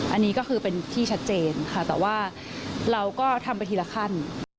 อันนี้ก็คือเป็นที่ชัดเจนค่ะแต่ว่าเราก็ทำไปทีละขั้น